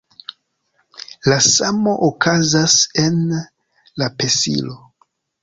La samo okazas en la pesilo.